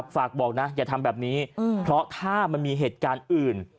ฝากบอกนะอย่าทำแบบนี้เพราะถ้ามันมีเหตุการณ์อื่น